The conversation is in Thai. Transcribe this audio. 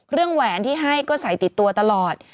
แหวนที่ให้ก็ใส่ติดตัวตลอด